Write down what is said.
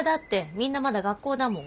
みんなまだ学校だもん。